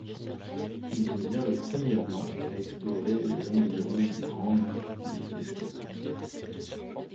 Il devient le premier Blanc à explorer les environs du Grand lac des Esclaves.